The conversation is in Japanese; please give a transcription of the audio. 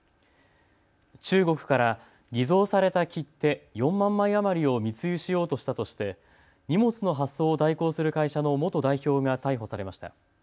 中国から偽造された切手４万枚余りを密輸しようとしたとして荷物の発送を代行する会社の元代表が逮捕されました。